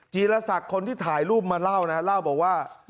จีรศักดิ์คนที่ถ่ายรูปมาเล่านะเล่าบอกว่า